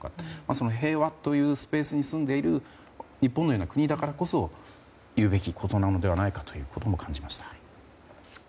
その平和というスペースに住んでいる日本のような国だからこそ言うべきことなのではないかとも感じました。